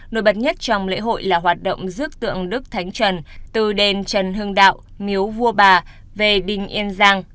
nổi bật nhất trong lễ hội là hoạt động dước đức thánh trần từ đền trần hương đạo miếu vua bà về đinh yên giang